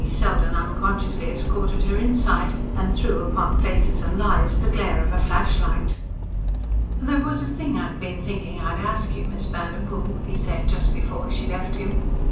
Selden unconsciously escorted her inside and threw upon faces and lives the glare of a flashlight. "There was a thing I've been thinking I'd ask you, Miss Vanderpoel," he said just before she left him.